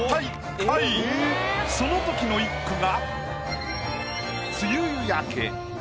そのときの一句が。